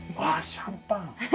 シャンパン。